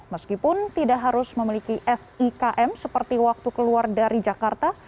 meskipun tidak harus memiliki sikm seperti waktu keluar dari jakarta